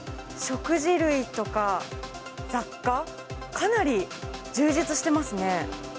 食事類とか、雑貨、かなり充実してますね。